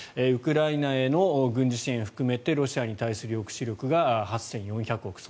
ウクライナへの軍事支援を含めてロシアに対する抑止力が８４００億。